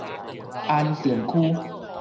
安定區